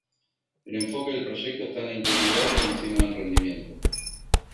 El enfoque del proyecto está en la integridad por encima del rendimiento.